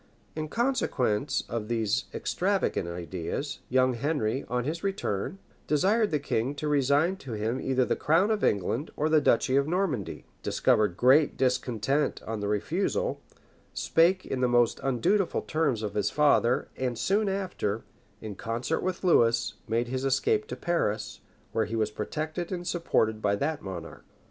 In consequence of these extravagant ideas, young Henry, on his return, desired the king to resign to him either the crown of England or the duchy of Normandy; discovered great discontent on the refusal; spake in the most undutiful terms of his father; and soon after, in concert with Lewis, made his escape to Paris, where he was protected and supported by that monarch.